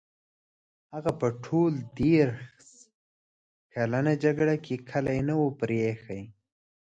هغه په ټوله دېرش کلنه جګړه کې کلی نه وو پرې ایښی.